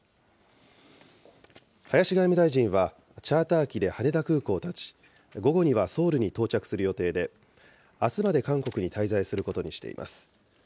林外務大臣は、チャーター機で羽田空港を発ち、午後にはソウルに到着する予定で、あすまで韓国に滞在することにしています。